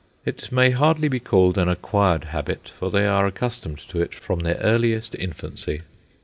It may hardly be called an acquired habit, for they are accustomed to it from their earliest infancy.